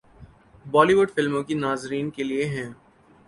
بالی would فلموں کے ناظرین کے لئے ہیں